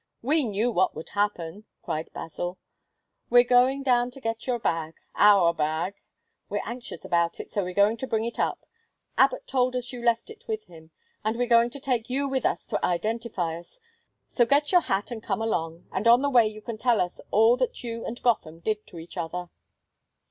We knew what would happen!" cried Basil. "We're going down to get your bag our bag! We're anxious about it, so we're going to bring it up. Abbott told us you left it with him. And we're going to take you with us to identify us, so get your hat and come along, and on the way you can tell us all that you and Gotham did to each other."